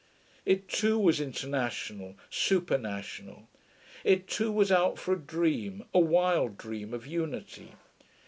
It too was international, supernational. It too was out for a dream, a wild dream, of unity.